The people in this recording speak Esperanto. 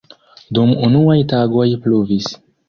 Dum unuaj tagoj pluvis.